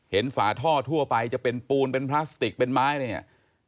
ฝาท่อทั่วไปจะเป็นปูนเป็นพลาสติกเป็นไม้อะไรเนี่ย